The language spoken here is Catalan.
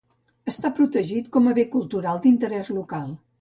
Està protegit com a bé cultural d'interès local.